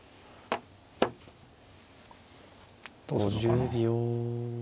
どうすんのかな。